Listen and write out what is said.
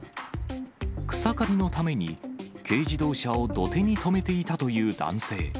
草刈りのために、軽自動車を土手に止めていたという男性。